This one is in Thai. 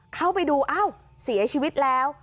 เข้าไปดูอ้าวเสียชีวิตแล้ว